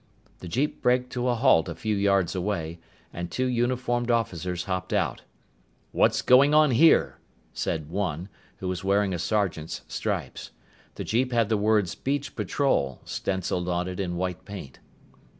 The jeep braked to a halt a few yards away, and two uniformed officers hopped out. "What's going on here?" said one, who was wearing a sergeant's stripes. The jeep had the words BEACH PATROL stenciled on it in white paint.